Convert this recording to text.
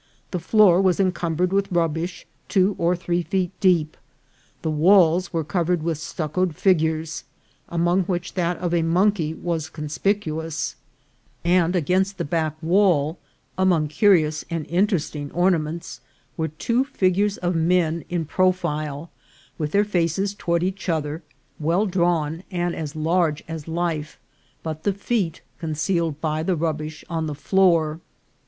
The floor was encumbered with rubbish two or three feet deep, the walls were covered with stuccoed A CAUSEWAY. 261 figures, among which that of a monkey was conspicu ous, and against the back wall, among curious and in teresting ornaments, were two figures of men in profile, with their faces toward each other, well drawn and as large as life, but the feet concealed by the rubbish on the floor.